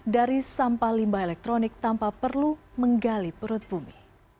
dari sampah limbah elektronik tanpa perlu menggali perut bumi